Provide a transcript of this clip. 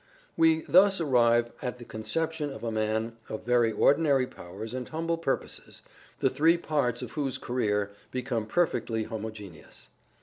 We thus arrive at the con ception of a man of very ordinary powers and humble purposes, the three parts of whose career become perfectly homogeneous.